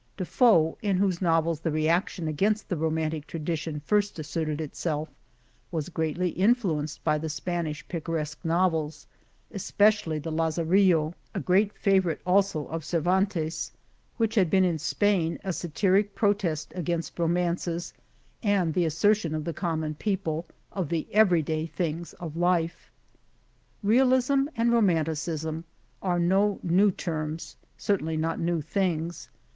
De Foe, in whose novels the reaction against the romantic tra dition first asserted itself, was greatly influ enced by the Spanish picaresque novels, es pecially the '*Lazarillo," a great favorite also 103 Monteil of Cervantes, which had been in Spain a sa tiric protest against romances and the asser tion of the common people, of the every day things of life. Realism and Romanticism are no new terms — certainly not new things.